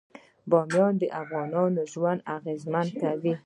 بامیان د افغانانو ژوند اغېزمن کوي.